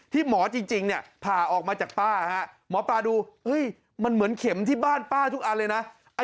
หมอจริงเนี่ยผ่าออกมาจากป้าหมอปลาดูมันเหมือนเข็มที่บ้านป้าทุกอันเลยนะ